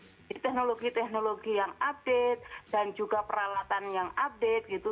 jadi teknologi teknologi yang update dan juga peralatan yang update gitu